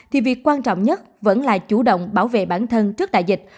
thì việc quan trọng nhất vẫn là chủ động bảo vệ bản thân trước đại dịch